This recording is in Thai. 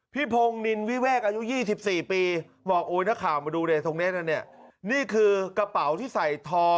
พี่พงศ์นินวิเวกอายุ๒๔ปี